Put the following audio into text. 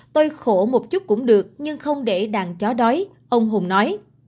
tôi khổ một chút cũng được nhưng không để đàn chó đói ông hùng nói